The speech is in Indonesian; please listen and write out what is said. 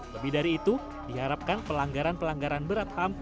lebih dari itu diharapkan pelanggaran pelanggaran berat ham